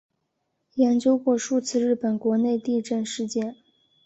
研究过数次日本国内地震事件。